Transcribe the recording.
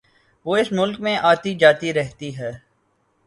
وہ اس ملک میں آتی جاتی رہتی ہے